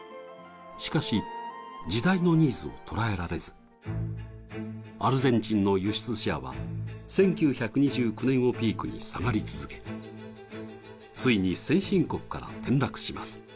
しかし、時代のニーズを捉えられずアルゼンチンの輸出シェアは１９２９年をピークに下がり続け、ついに先進国から転落します。